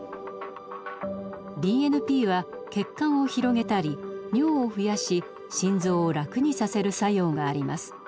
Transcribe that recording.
ＢＮＰは血管を広げたり尿を増やし心臓を楽にさせる作用があります。